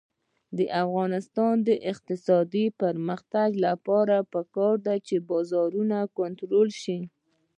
د افغانستان د اقتصادي پرمختګ لپاره پکار ده چې بازارونه کنټرول شي.